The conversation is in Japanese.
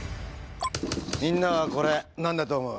みんなはこれ何だと思う？